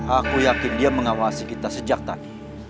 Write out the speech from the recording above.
aku yakin dia mengawasi kita sejak tadi